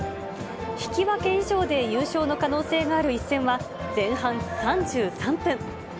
引き分け以上で優勝の可能性のある一戦は、前半３３分。